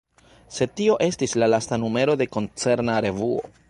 Sed tio estis la lasta numero de koncerna revuo.